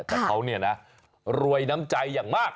แต่เขาเนี่ยนะรวยน้ำใจอย่างมาก